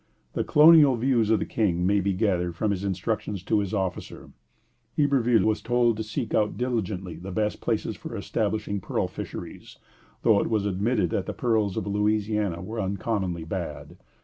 The colonial views of the King may be gathered from his instructions to his officer. Iberville was told to seek out diligently the best places for establishing pearl fisheries, though it was admitted that the pearls of Louisiana were uncommonly bad.